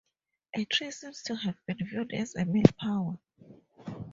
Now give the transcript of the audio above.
The tree seems to have been viewed as a male power.